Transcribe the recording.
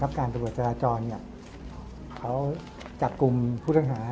ครับทางกรรมทับการประบวจรจรเนี้ยเขาจัดกลุ่มผู้ทางหา